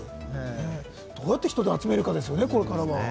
どうやって人を集めるかですよね、これからは。